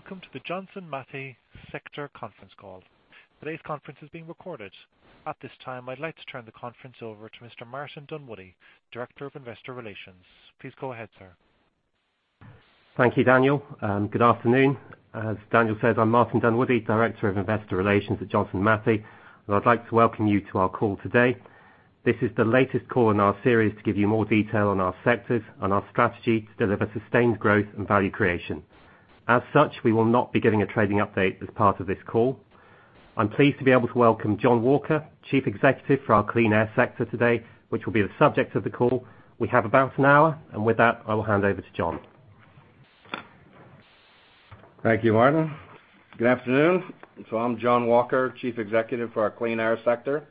Welcome to the Johnson Matthey Sector Conference Call. Today's conference is being recorded. At this time, I'd like to turn the conference over to Mr. Martin Dunwoodie, Director of Investor Relations. Please go ahead, sir. Thank you, Daniel. Good afternoon. As Daniel said, I'm Martin Dunwoodie, Director of Investor Relations at Johnson Matthey, and I'd like to welcome you to our call today. This is the latest call in our series to give you more detail on our sectors and our strategy to deliver sustained growth and value creation. As such, we will not be giving a trading update as part of this call. I'm pleased to be able to welcome John Walker, Chief Executive for our Clean Air sector today, which will be the subject of the call. We have about an hour. With that, I will hand over to John. Thank you, Martin. Good afternoon. I'm John Walker, Chief Executive for our Clean Air sector.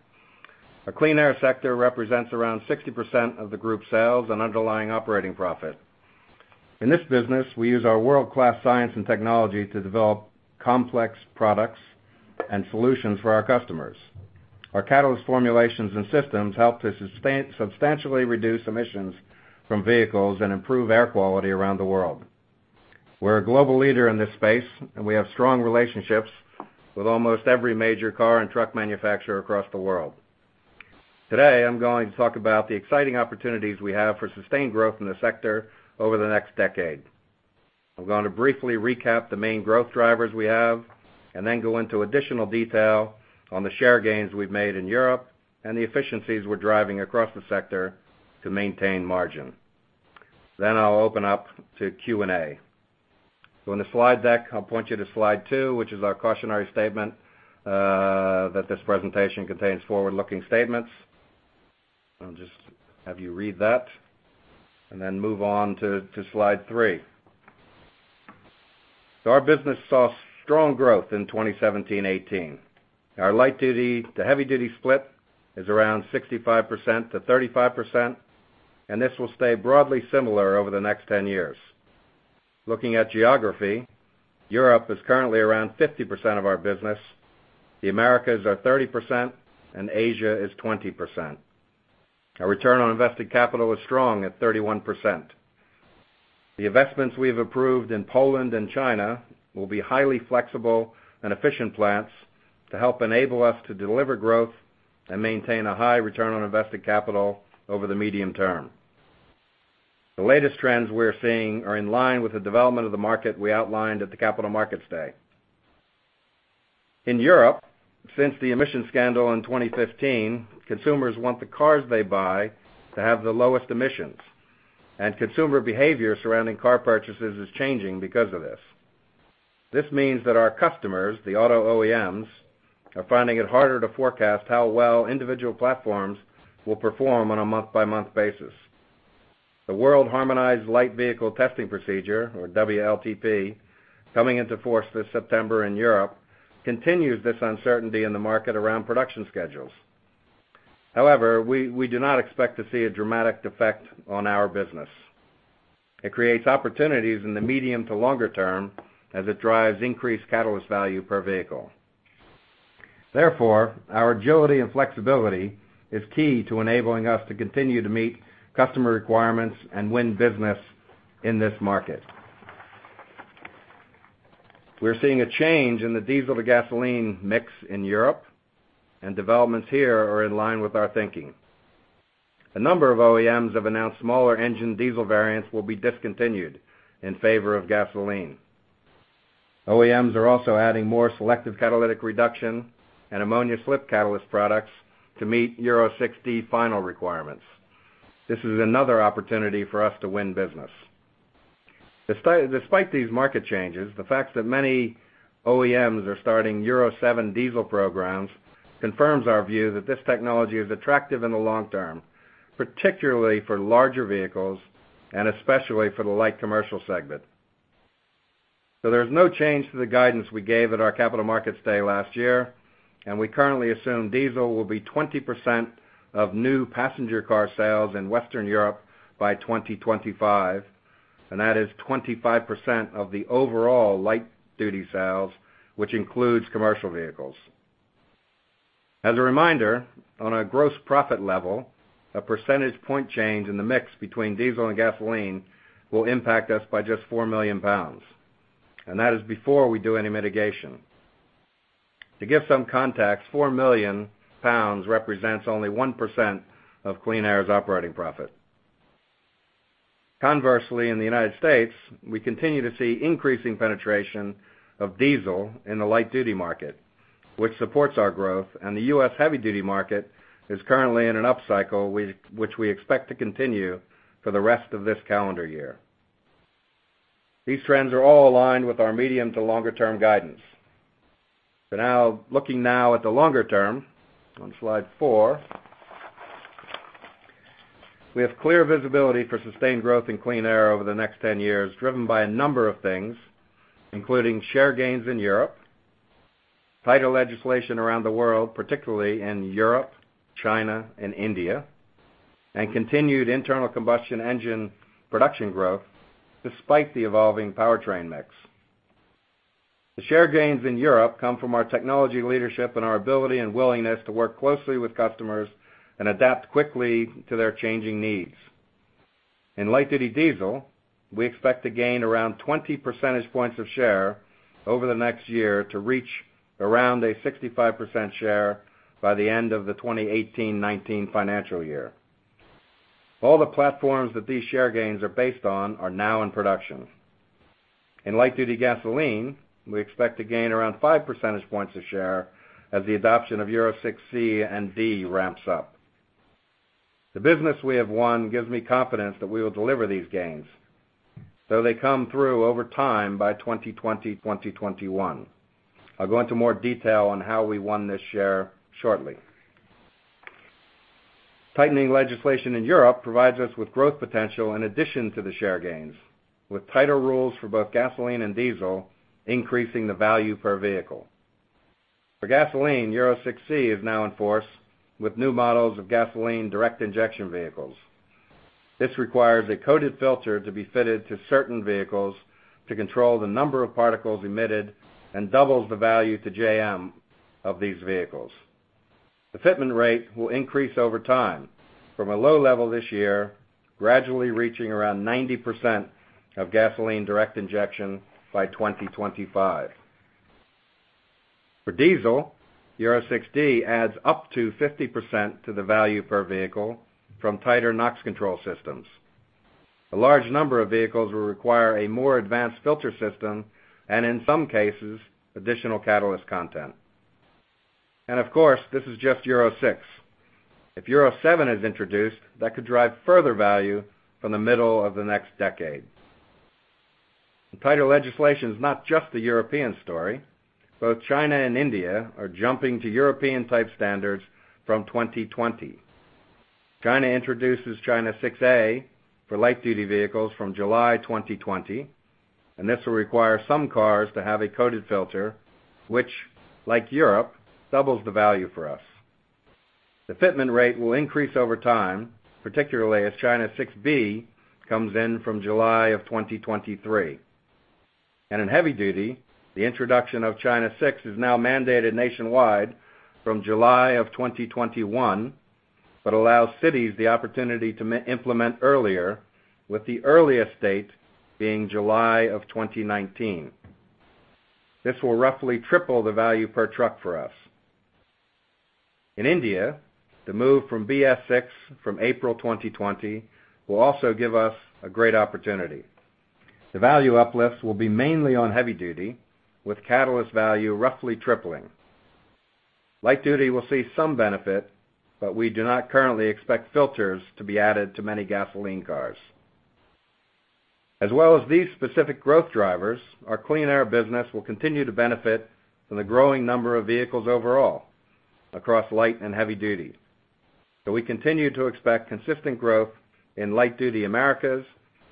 Our Clean Air sector represents around 60% of the group sales and underlying operating profit. In this business, we use our world-class science and technology to develop complex products and solutions for our customers. Our catalyst formulations and systems help to substantially reduce emissions from vehicles and improve air quality around the world. We're a global leader in this space, and we have strong relationships with almost every major car and truck manufacturer across the world. Today, I'm going to talk about the exciting opportunities we have for sustained growth in the sector over the next decade. I'm going to briefly recap the main growth drivers we have, and then go into additional detail on the share gains we've made in Europe and the efficiencies we're driving across the sector to maintain margin. I'll open up to Q&A. On the slide deck, I'll point you to slide two, which is our cautionary statement, that this presentation contains forward-looking statements. I'll just have you read that and then move on to slide three. Our business saw strong growth in 2017/18. Our light-duty to heavy-duty split is around 65%-35%, and this will stay broadly similar over the next 10 years. Looking at geography, Europe is currently around 50% of our business, the Americas are 30%, and Asia is 20%. Our return on invested capital is strong at 31%. The investments we've approved in Poland and China will be highly flexible and efficient plants to help enable us to deliver growth and maintain a high return on invested capital over the medium term. The latest trends we're seeing are in line with the development of the market we outlined at the Capital Markets Day. In Europe, since the emissions scandal in 2015, consumers want the cars they buy to have the lowest emissions. Consumer behavior surrounding car purchases is changing because of this. This means that our customers, the auto OEMs, are finding it harder to forecast how well individual platforms will perform on a month-by-month basis. The Worldwide Harmonized Light Vehicles Test Procedure, or WLTP, coming into force this September in Europe, continues this uncertainty in the market around production schedules. However, we do not expect to see a dramatic effect on our business. It creates opportunities in the medium to longer term as it drives increased catalyst value per vehicle. Therefore, our agility and flexibility is key to enabling us to continue to meet customer requirements and win business in this market. We're seeing a change in the diesel to gasoline mix in Europe, and developments here are in line with our thinking. A number of OEMs have announced smaller engine diesel variants will be discontinued in favor of gasoline. OEMs are also adding more selective catalytic reduction and ammonia slip catalyst products to meet Euro 6d Final requirements. This is another opportunity for us to win business. Despite these market changes, the fact that many OEMs are starting Euro 7 diesel programs confirms our view that this technology is attractive in the long term, particularly for larger vehicles and especially for the light commercial segment. There's no change to the guidance we gave at our Capital Markets Day last year. We currently assume diesel will be 20% of new passenger car sales in Western Europe by 2025. That is 25% of the overall light-duty sales, which includes commercial vehicles. As a reminder, on a gross profit level, a percentage point change in the mix between diesel and gasoline will impact us by just 4 million pounds. That is before we do any mitigation. To give some context, 4 million pounds represents only 1% of Clean Air's operating profit. Conversely, in the U.S., we continue to see increasing penetration of diesel in the light-duty market, which supports our growth. The U.S. heavy-duty market is currently in an upcycle, which we expect to continue for the rest of this calendar year. These trends are all aligned with our medium to longer term guidance. Looking now at the longer term on slide four. We have clear visibility for sustained growth in Clean Air over the next 10 years, driven by a number of things, including share gains in Europe; tighter legislation around the world, particularly in Europe, China, and India; and continued internal combustion engine production growth despite the evolving powertrain mix. The share gains in Europe come from our technology leadership and our ability and willingness to work closely with customers and adapt quickly to their changing needs. In light-duty diesel, we expect to gain around 20 percentage points of share over the next year to reach around a 65% share by the end of the 2018-2019 financial year. All the platforms that these share gains are based on are now in production. In light-duty gasoline, we expect to gain around 5 percentage points of share as the adoption of Euro 6c and d ramps up. The business we have won gives me confidence that we will deliver these gains, so they come through over time by 2020-2021. I'll go into more detail on how we won this share shortly. Tightening legislation in Europe provides us with growth potential in addition to the share gains, with tighter rules for both gasoline and diesel increasing the value per vehicle. For gasoline, Euro 6c is now in force with new models of gasoline direct injection vehicles. This requires a coated filter to be fitted to certain vehicles to control the number of particles emitted and doubles the value to JM of these vehicles. The fitment rate will increase over time, from a low level this year, gradually reaching around 90% of gasoline direct injection by 2025. For diesel, Euro 6d adds up to 50% to the value per vehicle from tighter NOx control systems. A large number of vehicles will require a more advanced filter system and, in some cases, additional catalyst content. Of course, this is just Euro 6. If Euro 7 is introduced, that could drive further value from the middle of the next decade. Tighter legislation is not just a European story. Both China and India are jumping to European-type standards from 2020. China introduces China 6a for light-duty vehicles from July 2020, and this will require some cars to have a coated filter, which, like Europe, doubles the value for us. The fitment rate will increase over time, particularly as China 6b comes in from July of 2023. In heavy duty, the introduction of China 6 is now mandated nationwide from July of 2021, but allows cities the opportunity to implement earlier, with the earliest date being July of 2019. This will roughly triple the value per truck for us. In India, the move from BS VI from April 2020 will also give us a great opportunity. The value uplift will be mainly on heavy duty, with catalyst value roughly tripling. Light duty will see some benefit, but we do not currently expect filters to be added to many gasoline cars. As well as these specific growth drivers, our Clean Air business will continue to benefit from the growing number of vehicles overall across light and heavy duty. We continue to expect consistent growth in light-duty Americas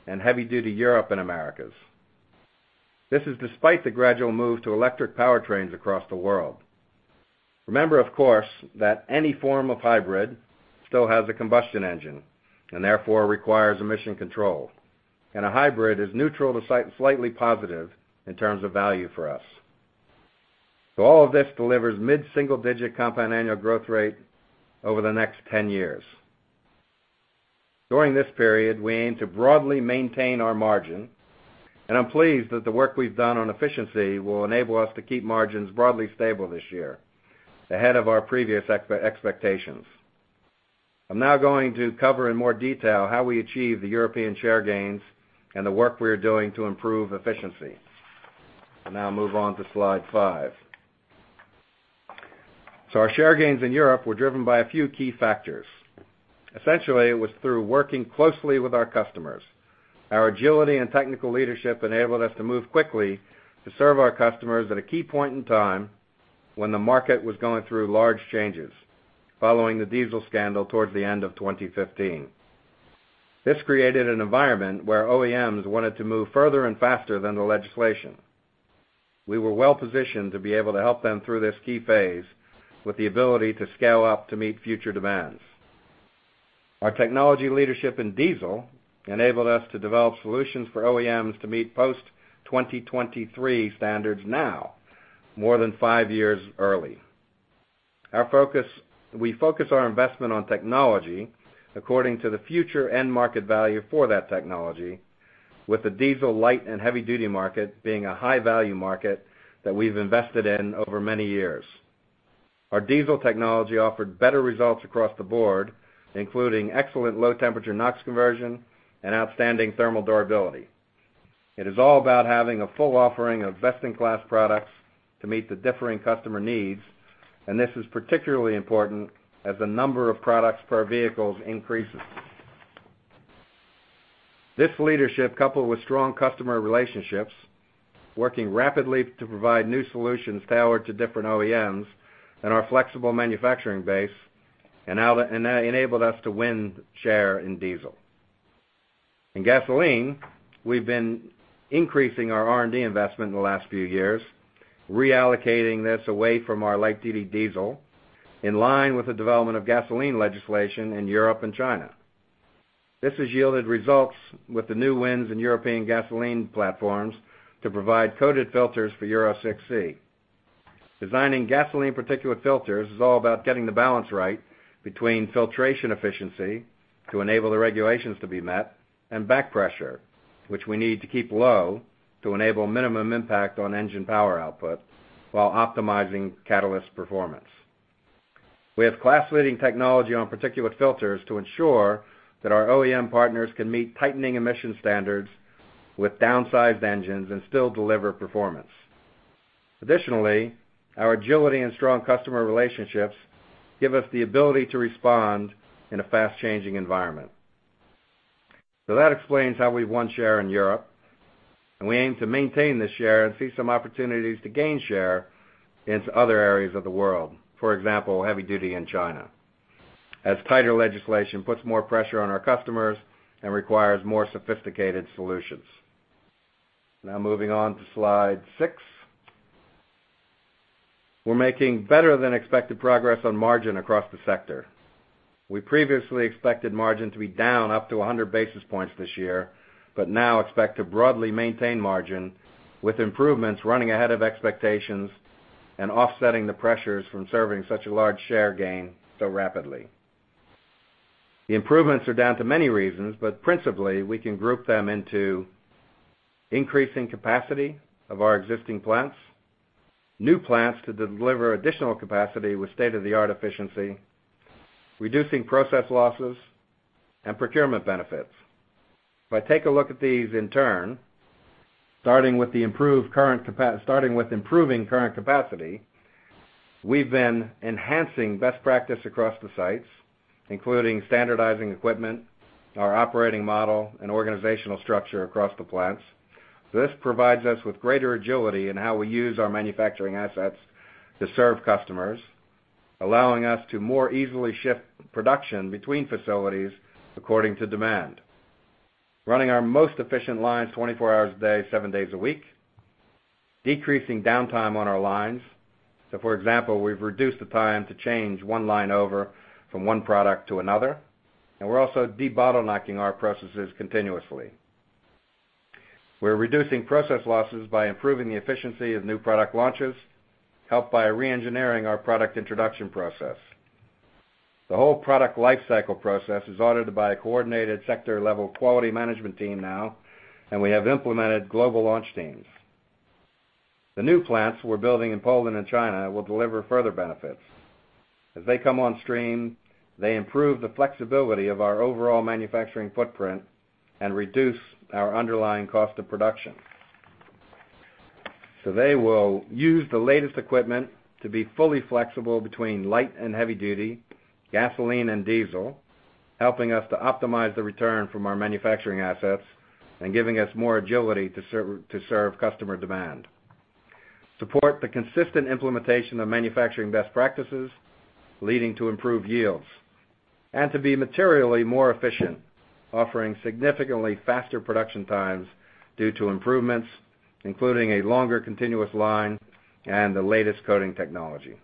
and heavy-duty Europe and Americas. This is despite the gradual move to electric powertrains across the world. Remember, of course, that any form of hybrid still has a combustion engine, and therefore requires emission control. A hybrid is neutral to slightly positive in terms of value for us. All of this delivers mid-single-digit compound annual growth rate over the next 10 years. During this period, we aim to broadly maintain our margin, and I'm pleased that the work we've done on efficiency will enable us to keep margins broadly stable this year, ahead of our previous expectations. I'm now going to cover in more detail how we achieve the European share gains and the work we are doing to improve efficiency. I'll now move on to slide five. Our share gains in Europe were driven by a few key factors. Essentially, it was through working closely with our customers. Our agility and technical leadership enabled us to move quickly to serve our customers at a key point in time when the market was going through large changes following the diesel scandal towards the end of 2015. This created an environment where OEMs wanted to move further and faster than the legislation. We were well-positioned to be able to help them through this key phase with the ability to scale up to meet future demands. Our technology leadership in diesel enabled us to develop solutions for OEMs to meet post-2023 standards now, more than five years early. We focus our investment on technology according to the future end market value for that technology with the diesel light and heavy duty market being a high-value market that we've invested in over many years. Our diesel technology offered better results across the board, including excellent low-temperature NOx conversion and outstanding thermal durability. It is all about having a full offering of best-in-class products to meet the differing customer needs, and this is particularly important as the number of products per vehicles increases. This leadership, coupled with strong customer relationships, working rapidly to provide new solutions tailored to different OEMs and our flexible manufacturing base, enabled us to win share in diesel. In gasoline, we've been increasing our R&D investment in the last few years, reallocating this away from our light-duty diesel in line with the development of gasoline legislation in Europe and China. This has yielded results with the new wins in European gasoline platforms to provide coated filters for Euro 6c. Designing gasoline particulate filters is all about getting the balance right between filtration efficiency to enable the regulations to be met, and back pressure, which we need to keep low to enable minimum impact on engine power output while optimizing catalyst performance. We have class-leading technology on particulate filters to ensure that our OEM partners can meet tightening emission standards with downsized engines and still deliver performance. Additionally, our agility and strong customer relationships give us the ability to respond in a fast-changing environment. That explains how we've won share in Europe, and we aim to maintain this share and see some opportunities to gain share into other areas of the world. For example, heavy duty in China, as tighter legislation puts more pressure on our customers and requires more sophisticated solutions. Moving on to slide six. We're making better than expected progress on margin across the sector. We previously expected margin to be down up to 100 basis points this year, but now expect to broadly maintain margin, with improvements running ahead of expectations and offsetting the pressures from serving such a large share gain so rapidly. The improvements are down to many reasons, but principally, we can group them into increasing capacity of our existing plants, new plants to deliver additional capacity with state-of-the-art efficiency, reducing process losses, and procurement benefits. If I take a look at these in turn, starting with improving current capacity, we've been enhancing best practice across the sites, including standardizing equipment, our operating model and organizational structure across the plants. This provides us with greater agility in how we use our manufacturing assets to serve customers, allowing us to more easily shift production between facilities according to demand. Running our most efficient lines 24 hours a day, seven days a week. Decreasing downtime on our lines. For example, we've reduced the time to change one line over from one product to another, and we're also de-bottlenecking our processes continuously. We're reducing process losses by improving the efficiency of new product launches, helped by re-engineering our product introduction process. The whole product life cycle process is audited by a coordinated sector-level quality management team now, and we have implemented global launch teams. The new plants we're building in Poland and China will deliver further benefits. As they come on stream, they improve the flexibility of our overall manufacturing footprint and reduce our underlying cost of production. They will use the latest equipment to be fully flexible between light and heavy duty, gasoline and diesel, helping us to optimize the return from our manufacturing assets and giving us more agility to serve customer demand. Support the consistent implementation of manufacturing best practices, leading to improved yields, and to be materially more efficient, offering significantly faster production times due to improvements, including a longer continuous line and the latest coating technology.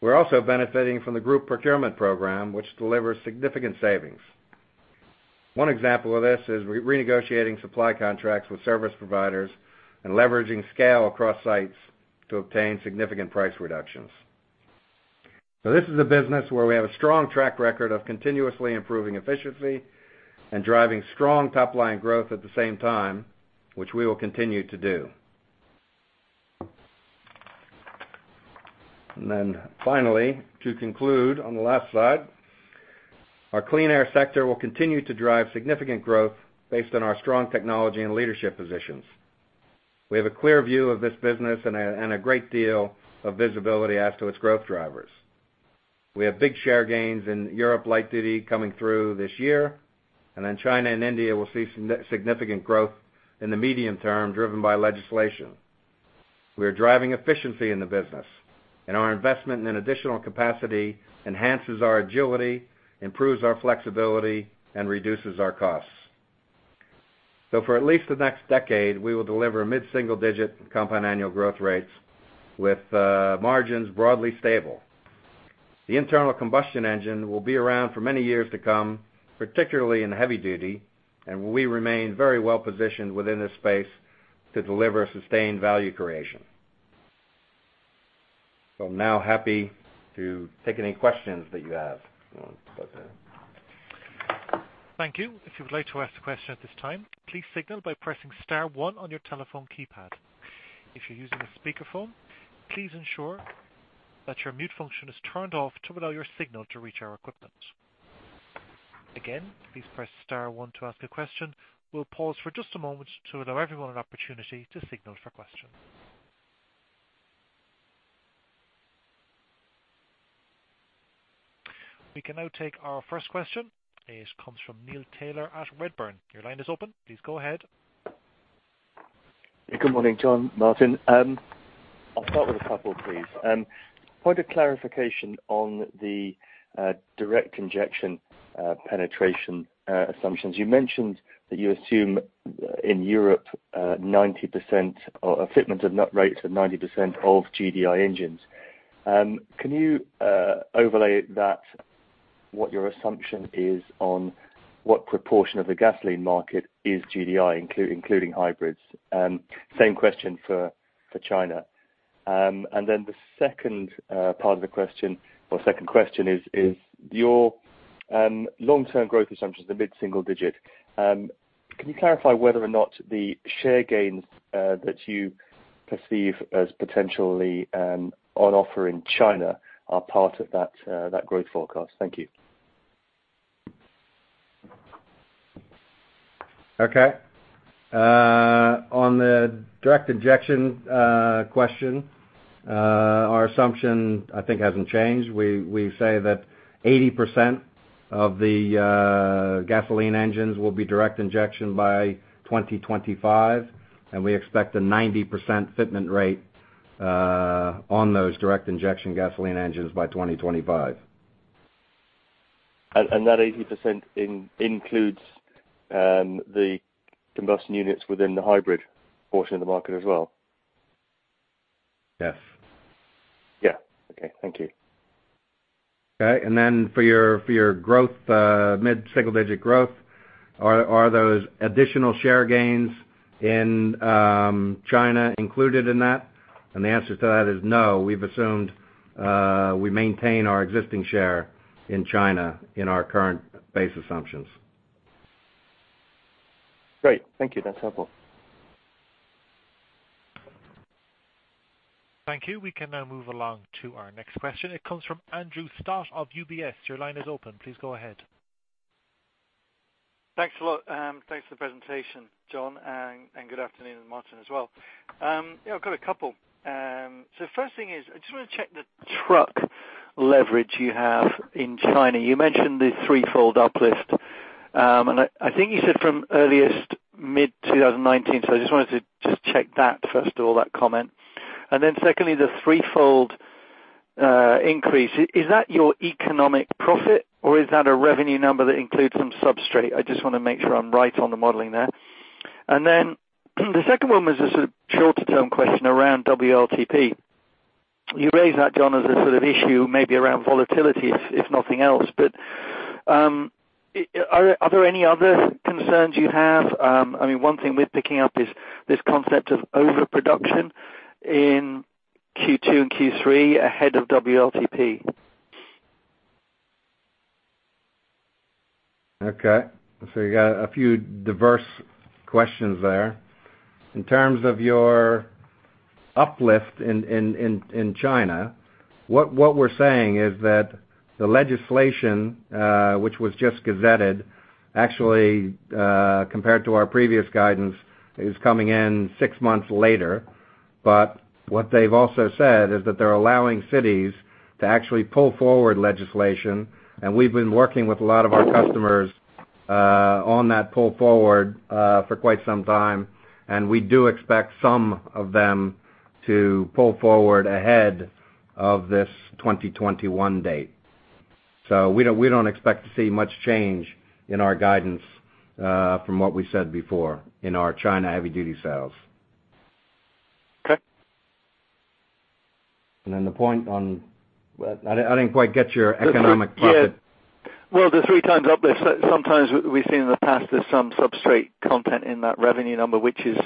We're also benefiting from the group procurement program, which delivers significant savings. One example of this is renegotiating supply contracts with service providers and leveraging scale across sites to obtain significant price reductions. This is a business where we have a strong track record of continuously improving efficiency and driving strong top-line growth at the same time, which we will continue to do. Finally, to conclude on the last slide, our Clean Air sector will continue to drive significant growth based on our strong technology and leadership positions. We have a clear view of this business and a great deal of visibility as to its growth drivers. We have big share gains in Europe light duty coming through this year, China and India will see significant growth in the medium term, driven by legislation. We are driving efficiency in the business, and our investment in additional capacity enhances our agility, improves our flexibility, and reduces our costs. For at least the next decade, we will deliver mid-single-digit compound annual growth rates with margins broadly stable. The internal combustion engine will be around for many years to come, particularly in heavy duty, and we remain very well positioned within this space to deliver sustained value creation. I'm now happy to take any questions that you have. Thank you. If you would like to ask a question at this time, please signal by pressing star one on your telephone keypad. If you're using a speakerphone, please ensure that your mute function is turned off to allow your signal to reach our equipment. Again, please press star one to ask a question. We'll pause for just a moment to allow everyone an opportunity to signal for questions. We can now take our first question. It comes from Neil Tayler at Redburn. Your line is open. Please go ahead. Good morning, John, Martin. I'll start with a couple, please. Point of clarification on the direct injection penetration assumptions. You mentioned that you assume in Europe a fitment of fitment rates of 90% of GDI engines. Can you overlay that What your assumption is on what proportion of the gasoline market is GDI, including hybrids? Same question for China. Then the second part of the question, or second question is, your long-term growth assumptions are mid-single digit. Can you clarify whether or not the share gains that you perceive as potentially on offer in China are part of that growth forecast? Thank you. Okay. On the direct injection question, our assumption, I think, hasn't changed. We say that 80% of the gasoline engines will be direct injection by 2025, and we expect a 90% fitment rate on those direct injection gasoline engines by 2025. That 80% includes the combustion units within the hybrid portion of the market as well? Yes. Yeah. Okay. Thank you. Okay. For your mid-single-digit growth, are those additional share gains in China included in that? The answer to that is no. We've assumed we maintain our existing share in China in our current base assumptions. Great. Thank you. That's helpful. Thank you. We can now move along to our next question. It comes from Andrew Stott of UBS. Your line is open. Please go ahead. Thanks a lot. Thanks for the presentation, John, and good afternoon, Martin, as well. I've got a couple. The first thing is, I just want to check the truck leverage you have in China. You mentioned the threefold uplift. I think you said from earliest mid-2019. I just wanted to just check that, first of all, that comment. Secondly, the threefold increase. Is that your economic profit or is that a revenue number that includes some substrate? I just want to make sure I'm right on the modeling there. The second one was just a shorter-term question around WLTP. You raised that, John, as a sort of issue maybe around volatility, if nothing else. Are there any other concerns you have? One thing we're picking up is this concept of overproduction in Q2 and Q3 ahead of WLTP. Okay. You got a few diverse questions there. In terms of your uplift in China, what we're saying is that the legislation, which was just gazetted, actually, compared to our previous guidance, is coming in six months later. What they've also said is that they're allowing cities to actually pull forward legislation, and we've been working with a lot of our customers on that pull forward for quite some time, and we do expect some of them to pull forward ahead of this 2021 date. We don't expect to see much change in our guidance from what we said before in our China heavy duty sales. Okay. The point on I didn't quite get your economic profit. Yeah. Well, the three times uplift, sometimes we've seen in the past there's some substrate content in that revenue number, which is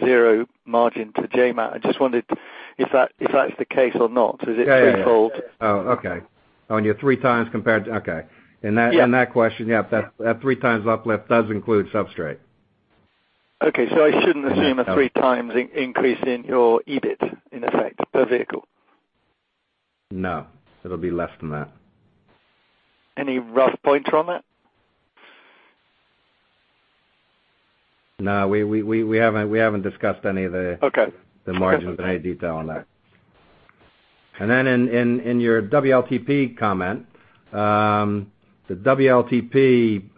zero margin to JMAT. I just wondered if that's the case or not. Is it threefold? Okay. On your three times compared to. Yeah. In that question, yep, that three times uplift does include substrate. Okay, I shouldn't assume a three times increase in your EBIT, in effect, per vehicle. No, it'll be less than that. Any rough pointer on that? No, we haven't discussed any of the Okay the margins in any detail on that. In your WLTP comment, the WLTP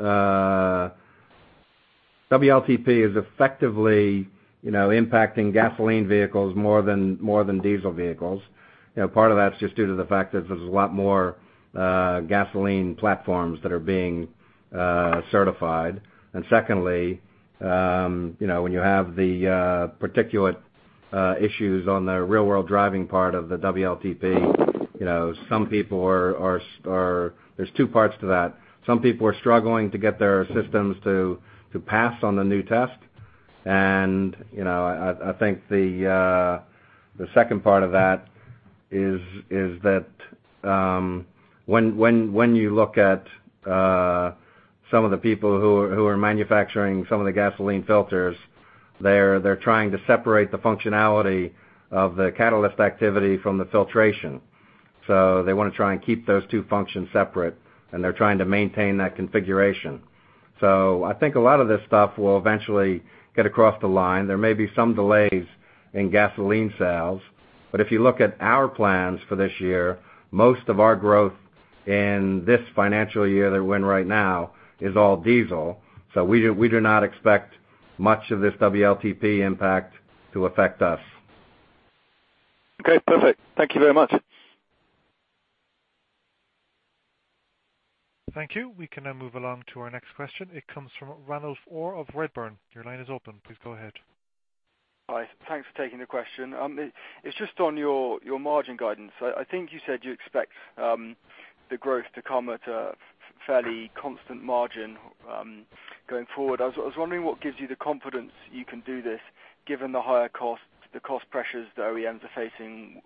is effectively impacting gasoline vehicles more than diesel vehicles. Part of that is just due to the fact that there's a lot more gasoline platforms that are being certified. Secondly, when you have the particulate issues on the real-world driving part of the WLTP, there's two parts to that. Some people are struggling to get their systems to pass on the new test. I think the second part of that is that when you look at some of the people who are manufacturing some of the gasoline filters, they're trying to separate the functionality of the catalyst activity from the filtration. They want to try and keep those two functions separate, and they're trying to maintain that configuration. I think a lot of this stuff will eventually get across the line. There may be some delays in gasoline sales, if you look at our plans for this year, most of our growth in this financial year that we're in right now is all diesel. We do not expect much of this WLTP impact to affect us. Okay, perfect. Thank you very much. Thank you. We can now move along to our next question. It comes from Ranulf Orr of Redburn. Your line is open. Please go ahead. Hi. Thanks for taking the question. It's just on your margin guidance. I think you said you expect the growth to come at a fairly constant margin going forward. I was wondering what gives you the confidence you can do this, given the higher costs, the cost pressures the OEMs are facing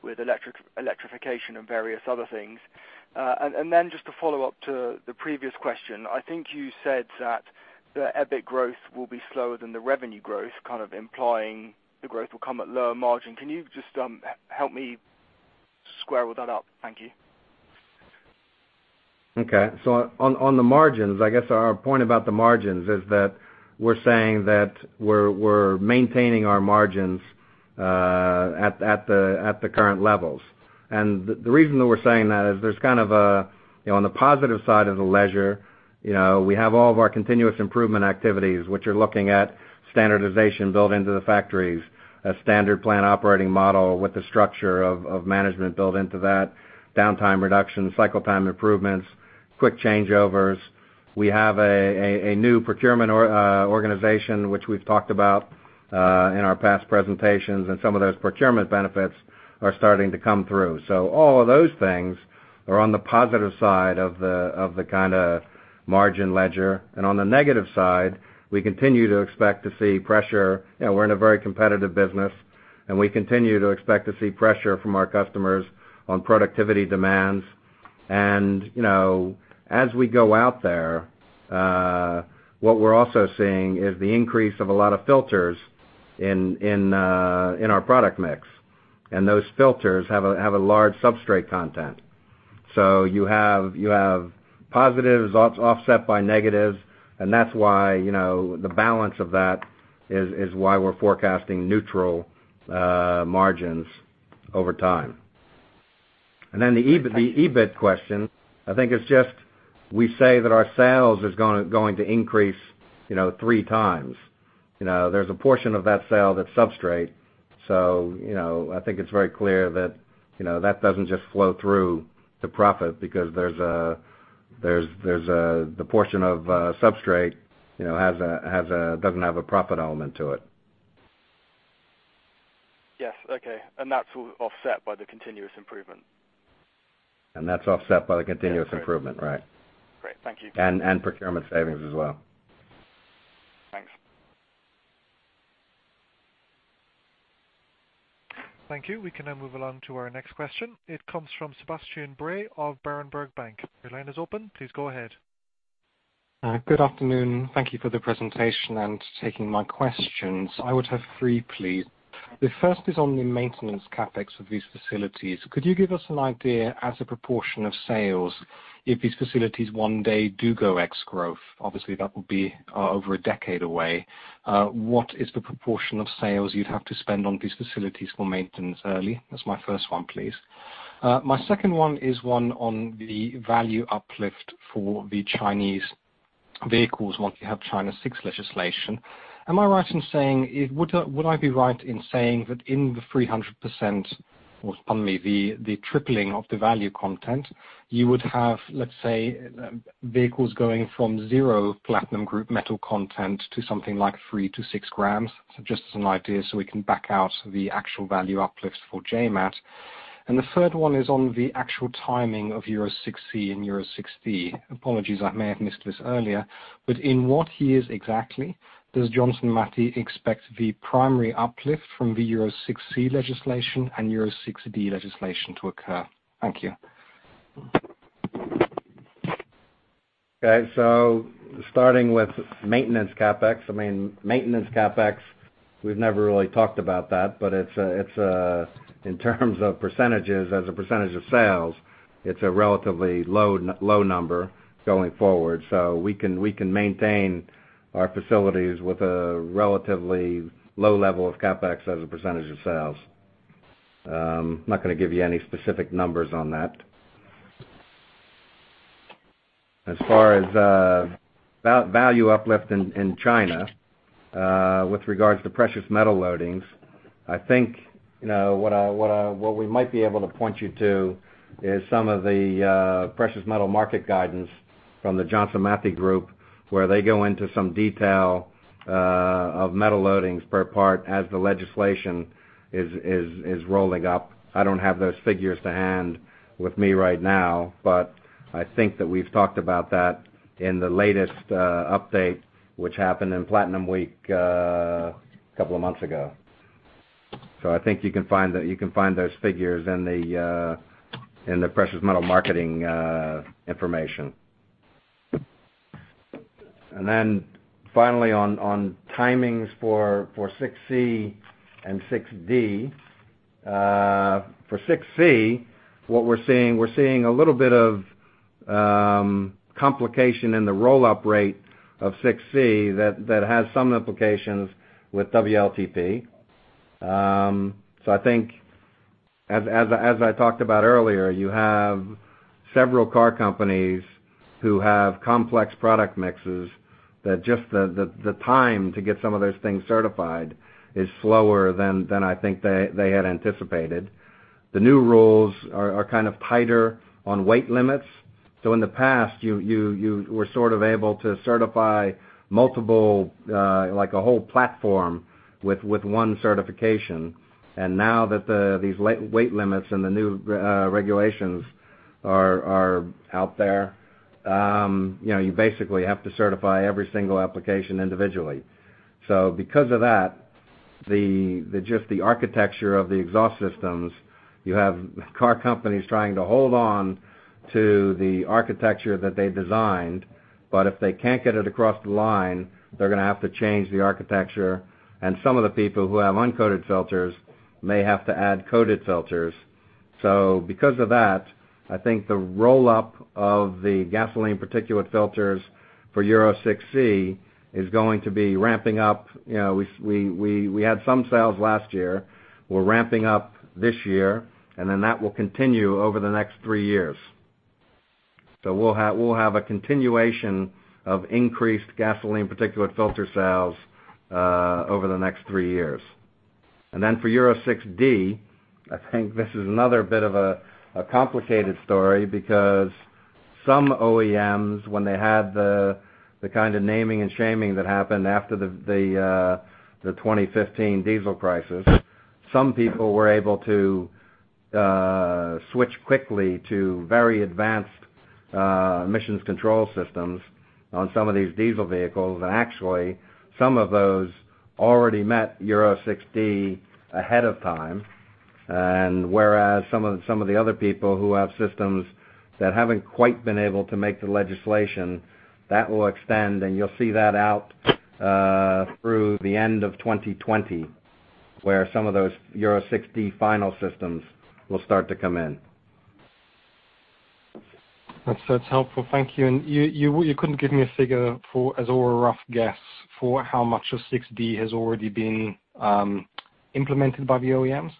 with electrification and various other things. Then just to follow up to the previous question, I think you said that the EBIT growth will be slower than the revenue growth, kind of implying the growth will come at lower margin. Can you just help me square that up? Thank you. Okay. On the margins, I guess our point about the margins is that we're saying that we're maintaining our margins at the current levels. The reason that we're saying that is there's kind of a, on the positive side of the ledger, we have all of our continuous improvement activities, which are looking at standardization built into the factories, a standard plan operating model with the structure of management built into that, downtime reduction, cycle time improvements, quick changeovers. We have a new procurement organization, which we've talked about, in our past presentations, and some of those procurement benefits are starting to come through. All of those things are on the positive side of the kind of margin ledger. On the negative side, we continue to expect to see pressure. We're in a very competitive business, we continue to expect to see pressure from our customers on productivity demands. As we go out there, what we're also seeing is the increase of a lot of filters in our product mix. Those filters have a large substrate content. You have positives offset by negatives, and that's why, the balance of that is why we're forecasting neutral margins over time. The EBIT question, I think it's just, we say that our sales is going to increase three times. There's a portion of that sale that's substrate. I think it's very clear that that doesn't just flow through to profit because there's the portion of substrate doesn't have a profit element to it. Yes. Okay. That's offset by the continuous improvement? That's offset by the continuous improvement, right. Great. Thank you. procurement savings as well. Thanks. Thank you. We can now move along to our next question. It comes from Sebastian Bray of Berenberg Bank. Your line is open. Please go ahead. Good afternoon. Thank you for the presentation and taking my questions. I would have three, please. The first is on the maintenance CapEx of these facilities. Could you give us an idea, as a proportion of sales, if these facilities one day do go ex growth, obviously that would be over a decade away. What is the proportion of sales you'd have to spend on these facilities for maintenance annually? That's my first one, please. My second one is one on the value uplift for the Chinese vehicles once you have China 6 legislation. Would I be right in saying that in the 300%, or pardon me, the tripling of the value content, you would have, let's say, vehicles going from zero platinum group metal content to something like 3 to 6 grams? Just as an idea so we can back out the actual value uplifts for JMAT. The third one is on the actual timing of Euro 6c and Euro 6d. Apologies, I may have missed this earlier, but in what years exactly does Johnson Matthey expect the primary uplift from the Euro 6c legislation and Euro 6d legislation to occur? Thank you. Starting with maintenance CapEx. Maintenance CapEx, we've never really talked about that, but in terms of percentages, as a percentage of sales, it's a relatively low number going forward. We can maintain our facilities with a relatively low level of CapEx as a percentage of sales. I'm not going to give you any specific numbers on that. As far as value uplift in China, with regards to precious metal loadings, I think what we might be able to point you to is some of the precious metal market guidance from the Johnson Matthey Group, where they go into some detail of metal loadings per part as the legislation is rolling up. I don't have those figures to hand with me right now, but I think that we've talked about that in the latest update, which happened in Platinum Week a couple of months ago. I think you can find those figures in the precious metal marketing information. Finally on timings for 6c and 6d. For 6c, what we're seeing a little bit of complication in the roll-up rate of 6c that has some implications with WLTP. I think as I talked about earlier, you have several car companies who have complex product mixes that just the time to get some of those things certified is slower than I think they had anticipated. The new rules are kind of tighter on weight limits. In the past, you were sort of able to certify multiple, like a whole platform with one certification. Now that these weight limits and the new regulations are out there, you basically have to certify every single application individually. Because of that, just the architecture of the exhaust systems, you have car companies trying to hold on to the architecture that they designed. If they can't get it across the line, they're going to have to change the architecture. Some of the people who have uncoated filters may have to add coated filters. Because of that, I think the roll-up of the gasoline particulate filters for Euro 6c is going to be ramping up. We had some sales last year. We're ramping up this year, and that will continue over the next three years. We'll have a continuation of increased gasoline particulate filter sales over the next three years. For Euro 6d, I think this is another bit of a complicated story because some OEMs, when they had the kind of naming and shaming that happened after the 2015 diesel crisis, some people were able to switch quickly to very advanced emissions control systems on some of these diesel vehicles. Actually, some of those already met Euro 6d ahead of time. Whereas some of the other people who have systems that haven't quite been able to make the legislation, that will extend, and you'll see that out through the end of 2020, where some of those Euro 6d final systems will start to come in. That's helpful. Thank you. You couldn't give me a figure for, as, or a rough guess for how much of Euro 6d has already been implemented by the OEMs?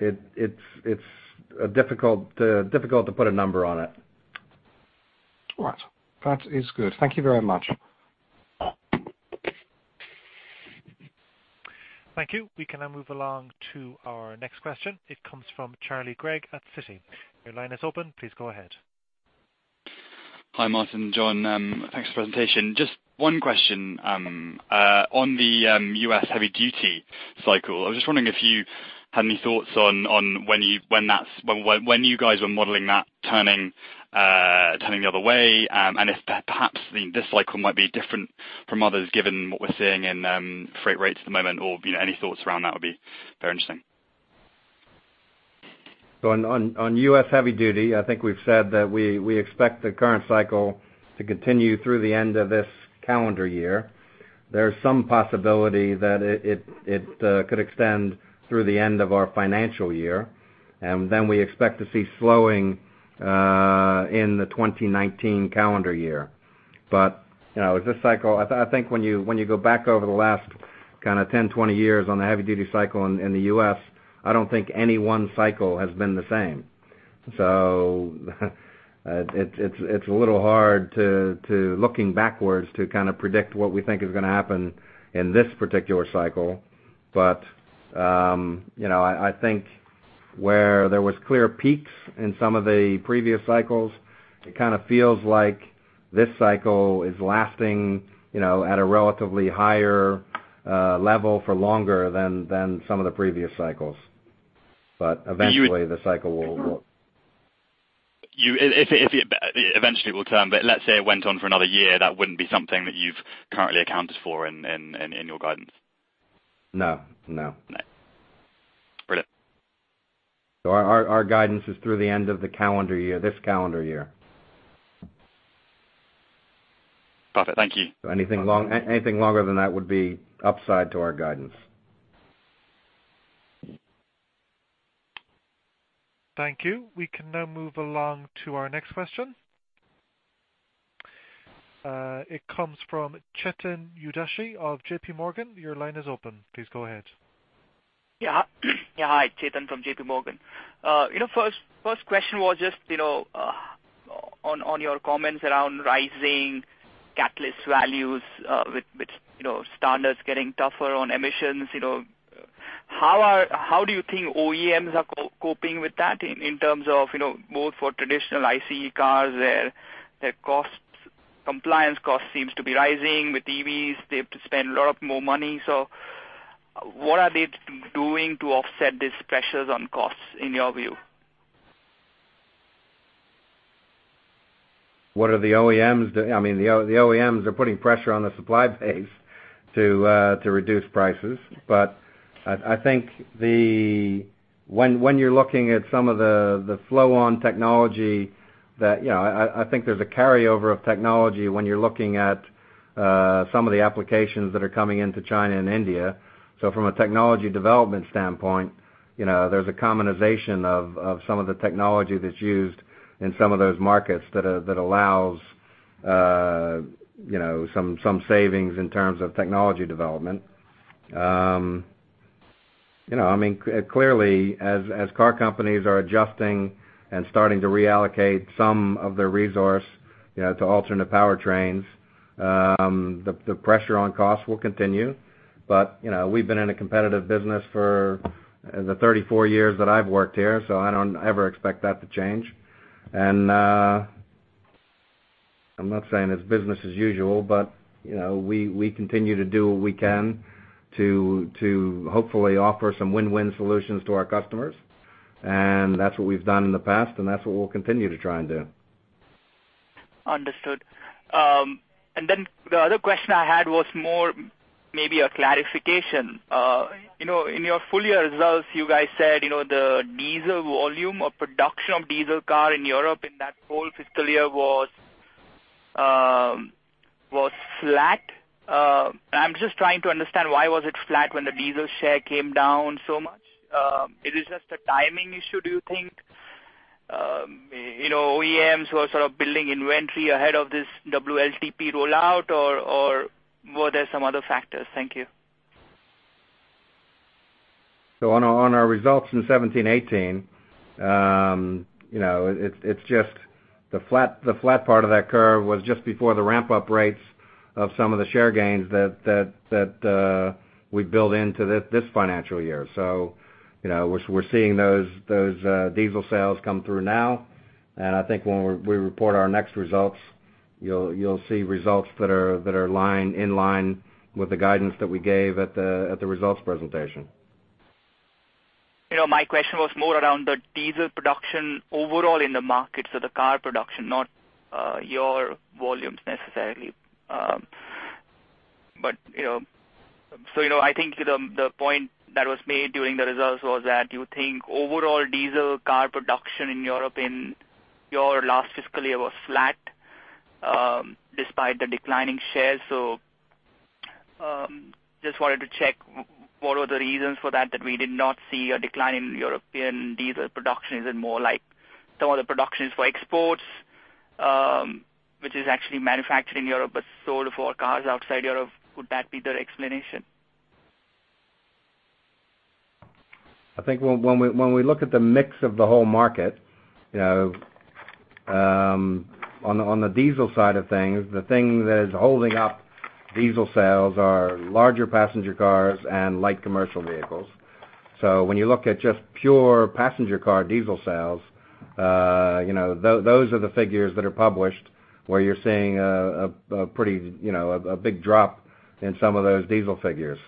It's difficult to put a number on it. All right. That is good. Thank you very much. Thank you. We can now move along to our next question. It comes from Charlie Webb at Citi. Your line is open. Please go ahead. Hi, Martin, John. Thanks for the presentation. Just one question. On the U.S. heavy-duty cycle, I was just wondering if you had any thoughts on when you guys were modeling that turning the other way, and if perhaps this cycle might be different from others, given what we're seeing in freight rates at the moment, or any thoughts around that would be very interesting. On U.S. heavy duty, I think we've said that we expect the current cycle to continue through the end of this calendar year. There's some possibility that it could extend through the end of our financial year. We expect to see slowing in the 2019 calendar year. This cycle, I think when you go back over the last kind of 10, 20 years on the heavy-duty cycle in the U.S., I don't think any one cycle has been the same. It's a little hard, looking backwards, to kind of predict what we think is going to happen in this particular cycle. I think where there was clear peaks in some of the previous cycles, it kind of feels like this cycle is lasting at a relatively higher level for longer than some of the previous cycles. Eventually the cycle will- Eventually it will turn, but let's say it went on for another year. That wouldn't be something that you've currently accounted for in your guidance? No. Right. Brilliant. Our guidance is through the end of the calendar year, this calendar year. Perfect. Thank you. Anything longer than that would be upside to our guidance. Thank you. We can now move along to our next question. It comes from Chetan Udeshi of JP Morgan. Your line is open. Please go ahead. Yeah. Hi, Chetan from J.P. Morgan. First question was just on your comments around rising catalyst values, with standards getting tougher on emissions. How do you think OEMs are coping with that in terms of both for traditional ICE cars, where their compliance cost seems to be rising with EVs, they have to spend a lot more money. What are they doing to offset these pressures on costs, in your view? What are the OEMs doing? I mean, the OEMs are putting pressure on the supply base to reduce prices. I think when you're looking at some of the flow on technology that, I think there's a carryover of technology when you're looking at some of the applications that are coming into China and India. From a technology development standpoint, there's a commonization of some of the technology that's used in some of those markets that allows some savings in terms of technology development. I mean, clearly, as car companies are adjusting and starting to reallocate some of their resource to alternate powertrains the pressure on costs will continue. We've been in a competitive business for the 34 years that I've worked here, so I don't ever expect that to change. I'm not saying it's business as usual, but we continue to do what we can to hopefully offer some win-win solutions to our customers. That's what we've done in the past, and that's what we'll continue to try and do. Understood. The other question I had was more maybe a clarification. In your full year results, you guys said the diesel volume or production of diesel car in Europe in that whole fiscal year was flat. I'm just trying to understand why was it flat when the diesel share came down so much? It is just a timing issue, do you think? OEMs were sort of building inventory ahead of this WLTP rollout or were there some other factors? Thank you. On our results in 2017-2018, the flat part of that curve was just before the ramp-up rates of some of the share gains that we built into this financial year. We're seeing those diesel sales come through now. I think when we report our next results, you'll see results that are in line with the guidance that we gave at the results presentation. My question was more around the diesel production overall in the market. The car production, not your volumes necessarily. I think the point that was made during the results was that you think overall diesel car production in Europe in your last fiscal year was flat, despite the declining shares. Just wanted to check what were the reasons for that we did not see a decline in European diesel production? Is it more like some of the production is for exports, which is actually manufactured in Europe but sold for cars outside Europe? Could that be the explanation? I think when we look at the mix of the whole market, on the diesel side of things, the thing that is holding up diesel sales are larger passenger cars and light commercial vehicles. When you look at just pure passenger car diesel sales, those are the figures that are published, where you're seeing a big drop in some of those diesel figures.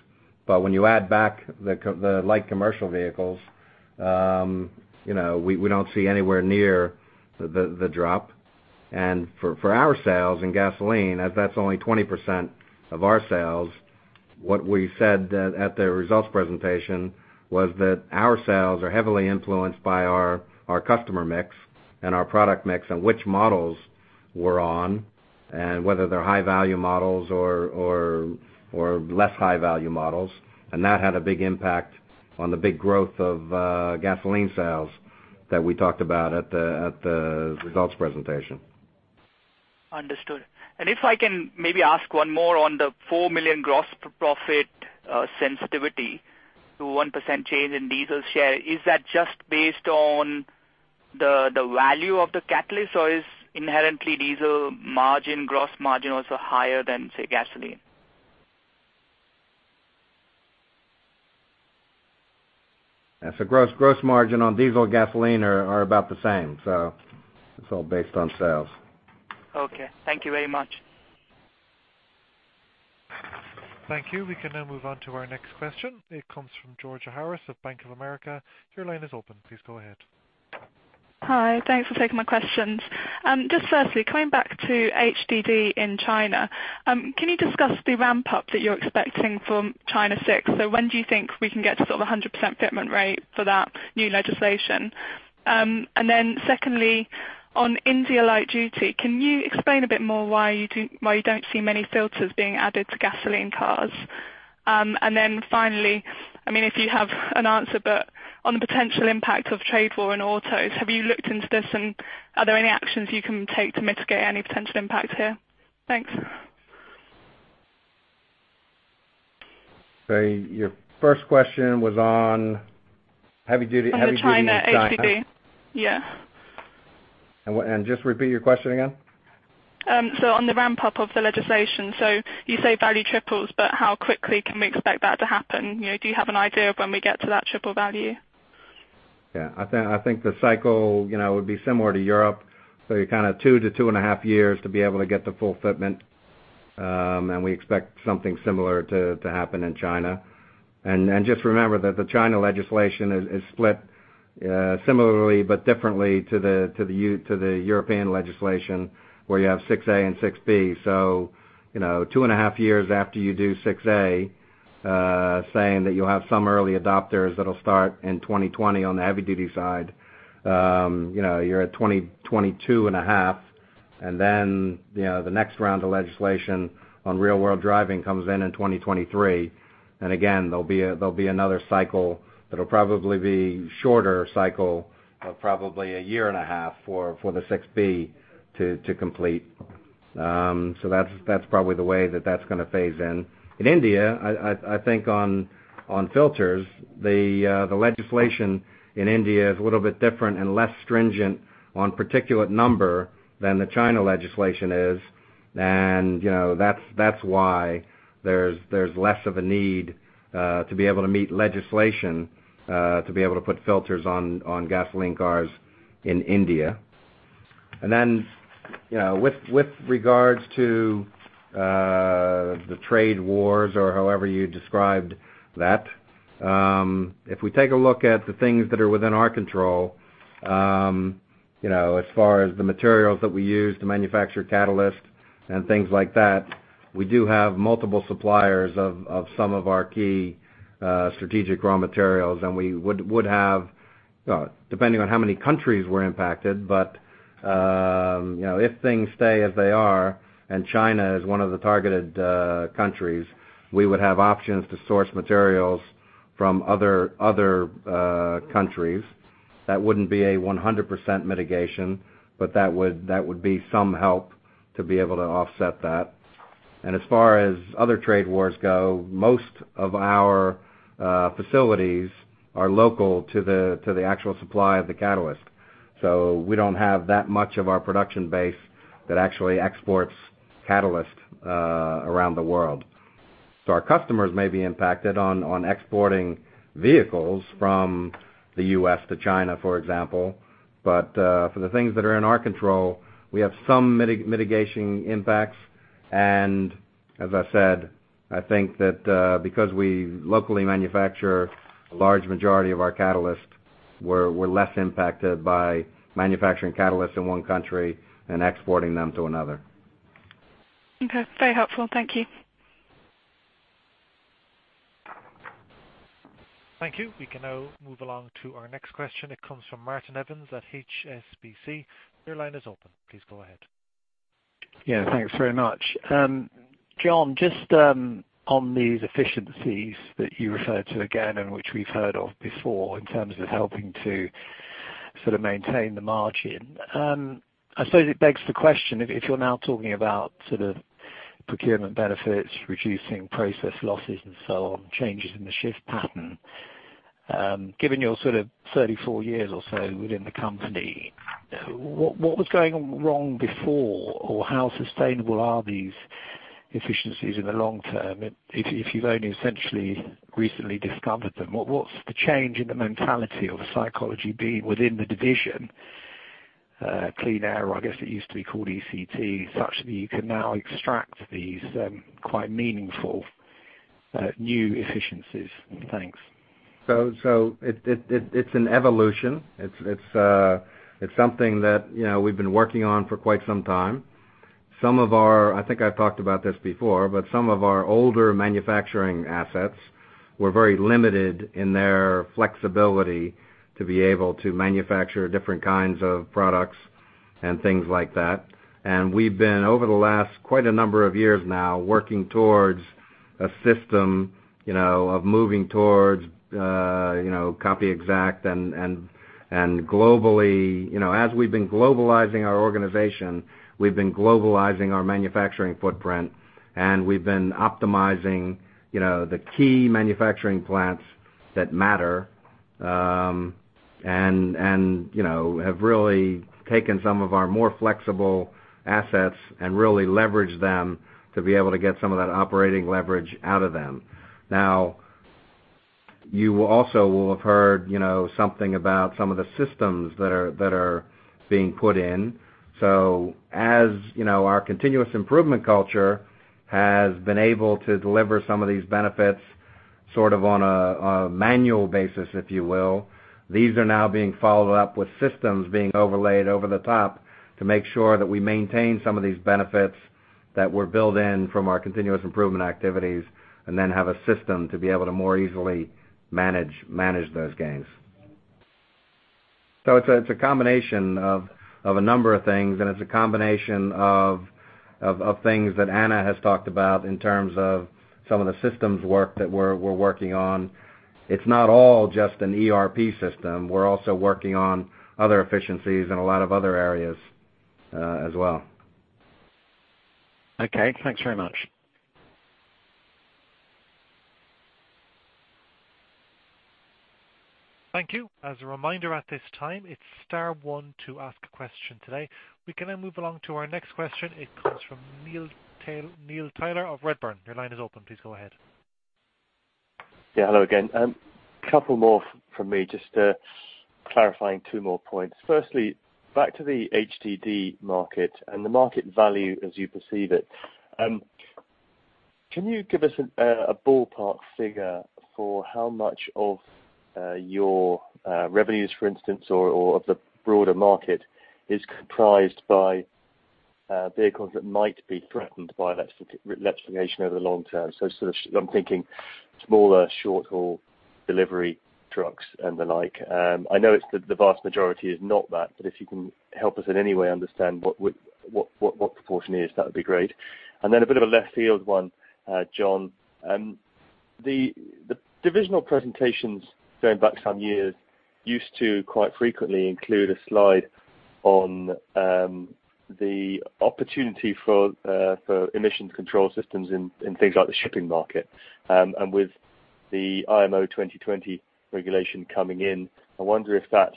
When you add back the light commercial vehicles, we don't see anywhere near the drop. For our sales in gasoline, as that's only 20% of our sales, what we said at the results presentation was that our sales are heavily influenced by our customer mix and our product mix and which models we're on, and whether they're high-value models or less high-value models. That had a big impact on the big growth of gasoline sales that we talked about at the results presentation. Understood. If I can maybe ask one more on the 4 million gross profit sensitivity to 1% change in diesel share, is that just based on the value of the catalyst, or is inherently diesel gross margin also higher than, say, gasoline? Yes. Gross margin on diesel and gasoline are about the same. It's all based on sales. Okay. Thank you very much. Thank you. We can now move on to our next question. It comes from Georgia Harris of Bank of America. Your line is open. Please go ahead. Hi. Thanks for taking my questions. Just firstly, coming back to HDD in China, can you discuss the ramp-up that you're expecting from China 6? When do you think we can get to sort of 100% fitment rate for that new legislation? Secondly, on India light duty, can you explain a bit more why you don't see many filters being added to gasoline cars? Finally, if you have an answer, on the potential impact of trade war in autos, have you looked into this, and are there any actions you can take to mitigate any potential impact here? Thanks. Your first question was on heavy duty in China? On the China HDD. Yeah. Just repeat your question again. On the ramp-up of the legislation. You say value triples, but how quickly can we expect that to happen? Do you have an idea of when we get to that triple value? I think the cycle would be similar to Europe. You're kind of 2-2.5 years to be able to get the full fitment, and we expect something similar to happen in China. Just remember that the China legislation is split similarly but differently to the European legislation, where you have 6a and 6b. 2.5 years after you do 6a, saying that you'll have some early adopters that'll start in 2020 on the heavy duty side, you're at 2022.5, and then the next round of legislation on real world driving comes in in 2023. Again, there'll be another cycle that'll probably be a shorter cycle of probably 1.5 years for the 6b to complete. That's probably the way that that's going to phase in. In India, I think on filters, the legislation in India is a little bit different and less stringent on particulate number than the China legislation is. That's why there's less of a need to be able to meet legislation, to be able to put filters on gasoline cars in India. With regards to the trade wars or however you described that, if we take a look at the things that are within our control, as far as the materials that we use to manufacture catalyst and things like that, we do have multiple suppliers of some of our key strategic raw materials. We would have, depending on how many countries were impacted, but if things stay as they are, and China is one of the targeted countries, we would have options to source materials from other countries. That wouldn't be a 100% mitigation, but that would be some help to be able to offset that. As far as other trade wars go, most of our facilities are local to the actual supply of the catalyst. We don't have that much of our production base that actually exports catalyst around the world. Our customers may be impacted on exporting vehicles from the U.S. to China, for example. For the things that are in our control, we have some mitigation impacts. As I said, I think that because we locally manufacture a large majority of our catalyst, we're less impacted by manufacturing catalysts in one country and exporting them to another. Okay. Very helpful. Thank you. Thank you. We can now move along to our next question. It comes from Martin Evans at HSBC. Your line is open. Please go ahead. Yeah, thanks very much. John, just on these efficiencies that you referred to again, which we've heard of before in terms of helping to sort of maintain the margin. I suppose it begs the question, if you're now talking about sort of procurement benefits, reducing process losses and so on, changes in the shift pattern. Given your sort of 34 years or so within the company, what was going wrong before? How sustainable are these efficiencies in the long term, if you've only essentially recently discovered them, what's the change in the mentality or the psychology being within the division, Clean Air, I guess it used to be called ECT, such that you can now extract these quite meaningful new efficiencies? Thanks. It's an evolution. It's something that we've been working on for quite some time. I think I've talked about this before, but some of our older manufacturing assets were very limited in their flexibility to be able to manufacture different kinds of products and things like that. We've been, over the last quite a number of years now, working towards a system of moving towards copy exact and globally. As we've been globalizing our organization, we've been globalizing our manufacturing footprint, we've been optimizing the key manufacturing plants that matter, and have really taken some of our more flexible assets and really leveraged them to be able to get some of that operating leverage out of them. Now, you also will have heard something about some of the systems that are being put in. As our continuous improvement culture has been able to deliver some of these benefits, sort of on a manual basis, if you will. These are now being followed up with systems being overlaid over the top to make sure that we maintain some of these benefits that were built in from our continuous improvement activities and then have a system to be able to more easily manage those gains. It's a combination of a number of things, and it's a combination of things that Anna has talked about in terms of some of the systems work that we're working on. It's not all just an ERP system. We're also working on other efficiencies in a lot of other areas as well. Okay. Thanks very much. Thank you. As a reminder at this time, it's star one to ask a question today. We can move along to our next question. It comes from Neil Tyler of Redburn. Your line is open. Please go ahead. Yeah. Hello again. A couple more from me, just clarifying two more points. Firstly, back to the HDD market and the market value as you perceive it. Can you give us a ballpark figure for how much of your revenues, for instance, or of the broader market, is comprised by vehicles that might be threatened by legislation over the long term? I'm thinking smaller short-haul delivery trucks and the like. I know the vast majority is not that, but if you can help us in any way understand what proportion it is, that would be great. A bit of a left field one, John. The divisional presentations going back some years used to quite frequently include a slide on the opportunity for emissions control systems in things like the shipping market. With the IMO 2020 regulation coming in, I wonder if that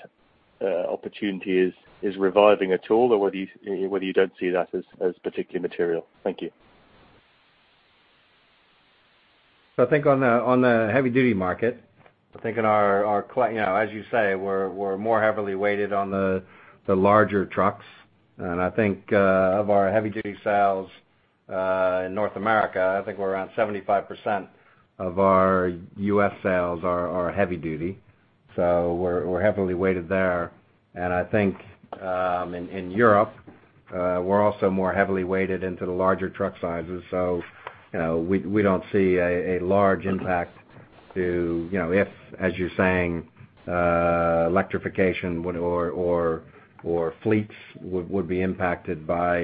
opportunity is reviving at all, or whether you don't see that as particularly material. Thank you. I think on the heavy-duty market, as you say, we're more heavily weighted on the larger trucks. I think of our heavy-duty sales in North America, I think we're around 75% of our U.S. sales are heavy duty. We're heavily weighted there. I think in Europe, we're also more heavily weighted into the larger truck sizes. We don't see a large impact to if, as you're saying, electrification or fleets would be impacted by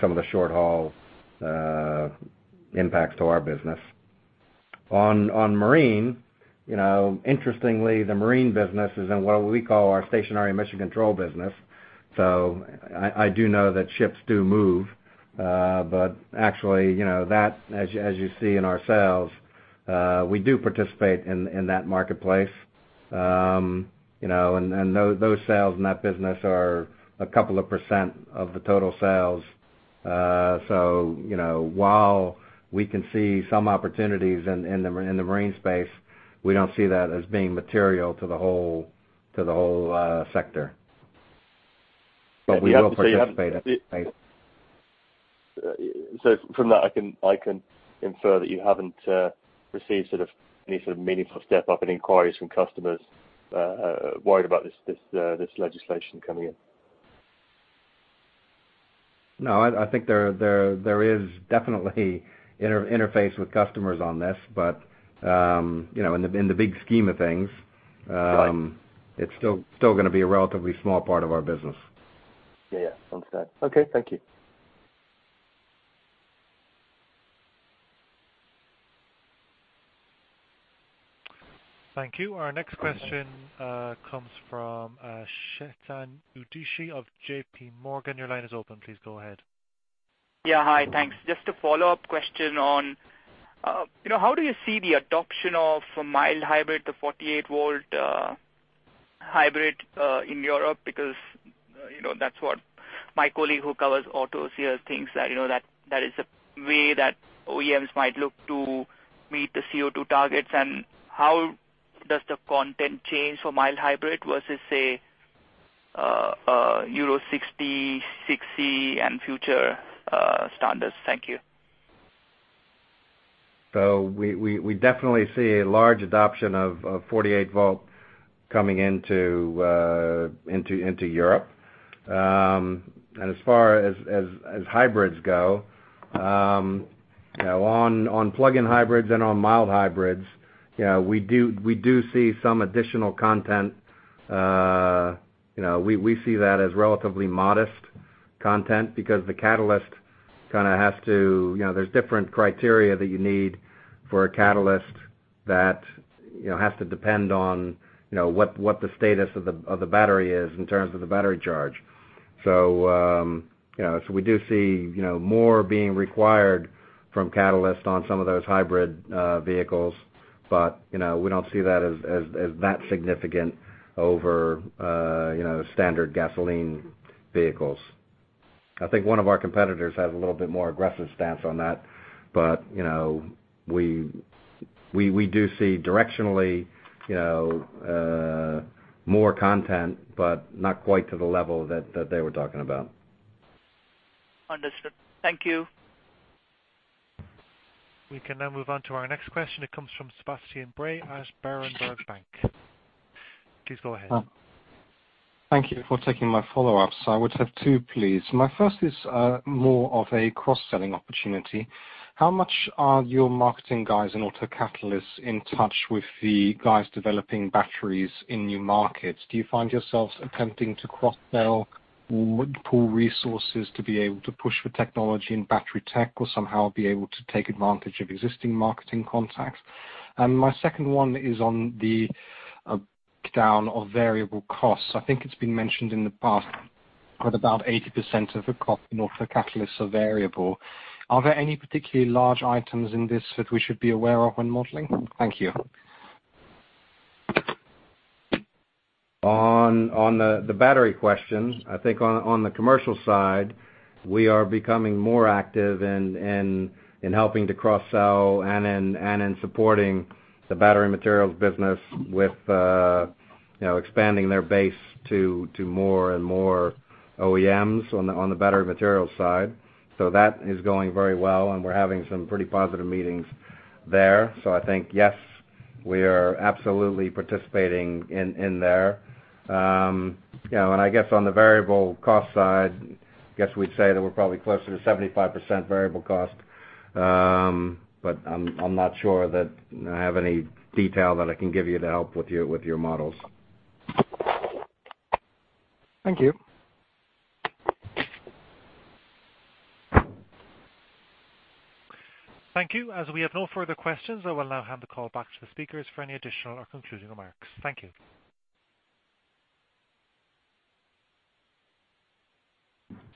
some of the short-haul impacts to our business. On marine, interestingly, the marine business is in what we call our stationary emission control business. I do know that ships do move. Actually, that, as you see in our sales, we do participate in that marketplace. Those sales in that business are a couple of percent of the total sales. While we can see some opportunities in the marine space, we don't see that as being material to the whole sector. We do participate. From that, I can infer that you haven't received any sort of meaningful step-up in inquiries from customers worried about this legislation coming in. No, I think there is definitely interface with customers on this. In the big scheme of things. Right it's still going to be a relatively small part of our business. Yeah. Sounds good. Okay. Thank you. Thank you. Our next question comes from Chetan Udeshi of J.P. Morgan. Your line is open. Please go ahead. Yeah. Hi. Thanks. Just a follow-up question on how do you see the adoption of mild hybrid to 48-volt hybrid in Europe? That's what my colleague who covers autos here thinks that is a way that OEMs might look to meet the CO2 targets. How does the content change for mild hybrid versus, say, Euro 6d, Euro 6c, and future standards? Thank you. We definitely see a large adoption of 48 volt coming into Europe. As far as hybrids go on plug-in hybrids and on mild hybrids, we do see some additional content. We see that as relatively modest content because there's different criteria that you need for a catalyst that has to depend on what the status of the battery is in terms of the battery charge. We do see more being required from catalyst on some of those hybrid vehicles. We don't see that as that significant over standard gasoline vehicles. I think one of our competitors has a little bit more aggressive stance on that. We do see directionally more content, but not quite to the level that they were talking about. Understood. Thank you. We can now move on to our next question. It comes from Sebastian Bray at Berenberg Bank. Please go ahead. Thank you for taking my follow-ups. I would have two, please. My first is more of a cross-selling opportunity. How much are your marketing guys in autocatalysts in touch with the guys developing batteries in new markets? Do you find yourselves attempting to cross-sell pool resources to be able to push for technology and battery tech or somehow be able to take advantage of existing marketing contacts? My second one is on the breakdown of variable costs. I think it's been mentioned in the past that about 80% of the cost in autocatalysts are variable. Are there any particularly large items in this that we should be aware of when modeling? Thank you. On the battery question, I think on the commercial side, we are becoming more active in helping to cross-sell and in supporting the battery materials business with expanding their base to more and more OEMs on the battery materials side. That is going very well, and we're having some pretty positive meetings there. I think, yes, we are absolutely participating in there. I guess on the variable cost side, I guess we'd say that we're probably closer to 75% variable cost. I'm not sure that I have any detail that I can give you to help with your models. Thank you. Thank you. As we have no further questions, I will now hand the call back to the speakers for any additional or concluding remarks. Thank you.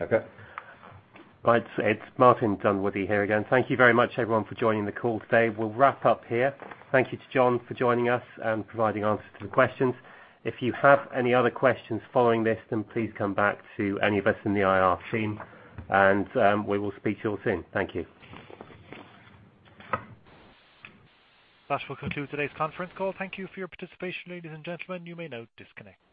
Okay. Right. It's Martin Dunwoodie here again. Thank you very much, everyone, for joining the call today. We'll wrap up here. Thank you to John for joining us and providing answers to the questions. If you have any other questions following this, please come back to any of us in the IR team, and we will speak to you soon. Thank you. That will conclude today's conference call. Thank you for your participation, ladies and gentlemen. You may now disconnect.